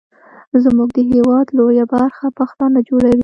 زمونږ د هیواد لویه برخه پښتانه جوړوي.